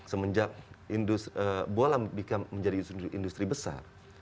semenjak bola menjadi industri besar